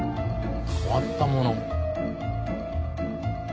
変わったもの。